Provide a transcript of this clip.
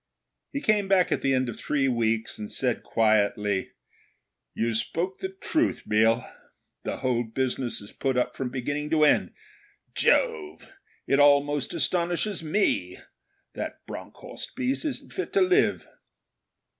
He came back at the end of three weeks, and said quietly, 'You spoke the truth, Biel. The whole business is put up from beginning to end. Jove! It almost astonishes me! That Bronckhorst beast isn't fit to live.'